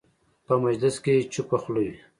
په مجلس کې چوپه خوله وي.